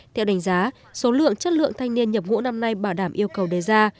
theo đánh giá số lượng chất lượng thanh niên nhập ngũ năm nay bảo đảm yêu cầu đề ra